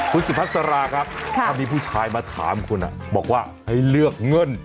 คุณสุพัสราครับถ้ามีผู้ชายมาถามคุณบอกว่าให้เลือกเงิน